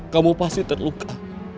kamu pasti terluka